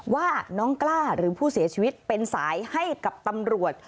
ว่าน้องกล้าหรือผู้เสียชีวิตเป็นสายให้กับตำรวจ